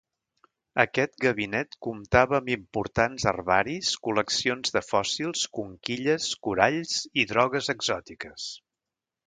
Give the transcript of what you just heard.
Aquest Gabinet comptava amb importants herbaris, col·leccions de fòssils, conquilles, coralls i drogues exòtiques.